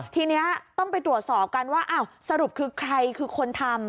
ทีนี้ต้องไปตรวจสอบกันว่าอ้าวสรุปคือใครคือคนทำ